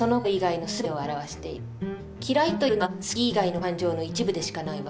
嫌いというのは好き以外の感情の一部でしかないわ。